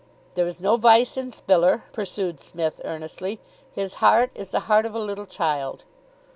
"There is no vice in Spiller," pursued Psmith earnestly. "His heart is the heart of a little child."